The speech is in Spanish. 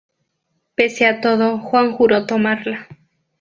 Pese a todo, Juan juró tomarla.